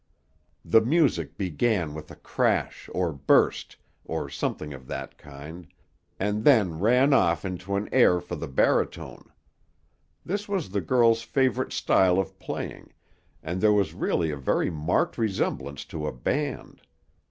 The music began with a crash, or burst, or something of that kind, and then ran off into an air for the baritone. This was the girl's favorite style of playing, and there was really a very marked resemblance to a band.